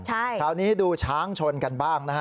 คราวนี้ดูช้างชนกันบ้างนะฮะ